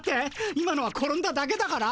今のは転んだだけだから。